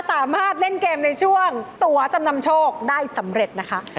สามารถเล่นเกมในช่วงตัวจำนำโชคได้สำเร็จนะคะ